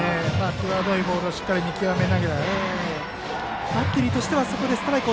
際どいボールをしっかり見極めないと。